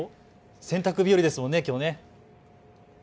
洗濯日和ですもんね、きょう。